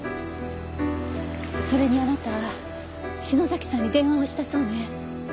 それにあなた篠崎さんに電話をしたそうね。